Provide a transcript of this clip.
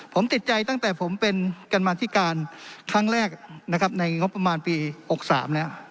ผมติดใจตั้งแต่ผมเป็นกรรมาธิการครั้งแรกนะครับในงบประมาณปี๖๓เนี่ย